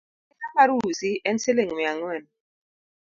Arieya mar usi en siling’ mia ang’wen